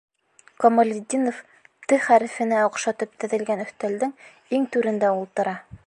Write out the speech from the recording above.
Камалетдинов «Т» хәрефенә оҡшатып теҙелгән өҫтәлдең иң түрендә ултыра.